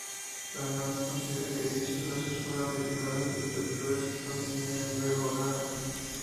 Además, considera que dichas frases fueron derivadas de estructuras que contenían el verbo "have".